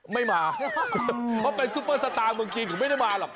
ไม่มาเพราะเป็นซุปเปอร์สตาร์เมืองจีนผมไม่ได้มาหรอก